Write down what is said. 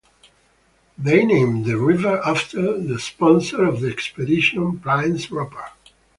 They named the river after the sponsor of the expedition, Prince Rupert.